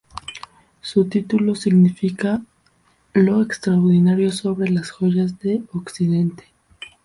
Su título significa "Lo extraordinario sobre las joyas de Occidente".